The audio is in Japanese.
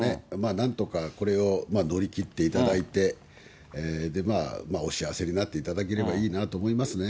なんとかこれを乗り切っていただいて、お幸せになっていただければいいなと思いますね。